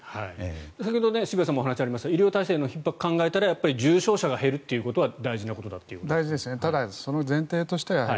先ほど渋谷さんもお話にありましたが医療体制のひっ迫を考えたら重症者が減るということは大事だという。